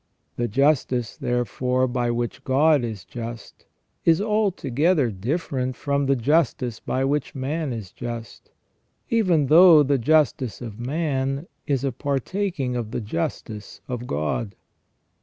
The justice, therefore, by which God is just is altogether different from the justice by which man is just, even though the justice of man is a partaking of the justice of God.